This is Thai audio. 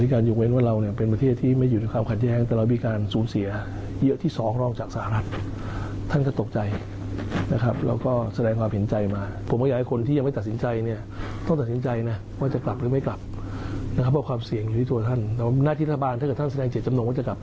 คนออกมาให้ได้เร็วที่สุดและปลอดภัยที่สุดครับ